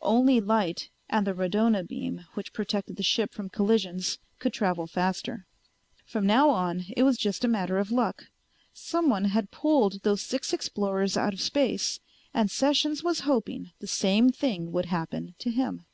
Only light and the radona beam which protected the ship from collisions could travel faster. From now on it was just a matter of luck. Someone had pulled those six explorers out of space and Sessions was hoping the same thing would happen to him.